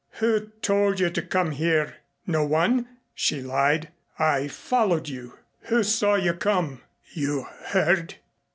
"Who told you to come here?" "No one," she lied. "I followed you." "Who saw you come? You heard?"